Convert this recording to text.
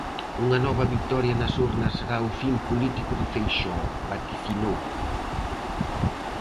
Unha nova vitoria nas urnas será o fin político de Feixóo, vaticinou.